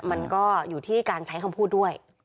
มันก็อยู่ที่การใช้คำพูดด้วย